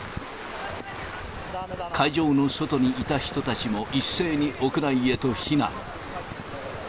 会場の外にいた人たちも一斉に屋内へと避難。